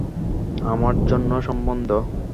আমার জন্য সম্বন্ধ?